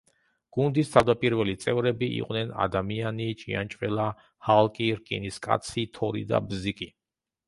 გუნდის თავდაპირველი წევრები იყვნენ ადამიანი ჭიანჭველა, ჰალკი, რკინის კაცი, თორი და ბზიკი.